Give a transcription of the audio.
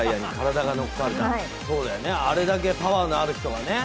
そうだよね、あれだけパワーのある人がね。